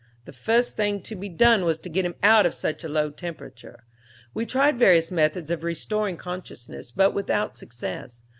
The first thing to be done was to get him out of such a low temperature. We tried various methods of restoring consciousness, but without success.